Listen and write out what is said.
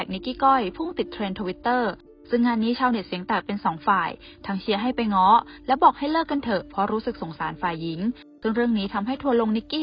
อันนี้ผมพูดเรื่องจริงนะครับแล้วก็ผมก็พูดคำว่าอะไรไม่ได้